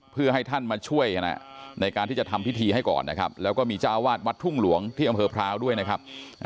เพื่อให้ท่านมาช่วยในการที่จะทำพิธีให้ก่อนนะครับแล้วก็มีเจ้าวาดวัดทุ่งหลวงที่อำเภอพร้าวด้วยนะครับ